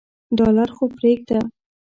ډالر خو پریږده.